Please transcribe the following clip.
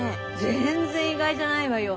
全然意外じゃないわよ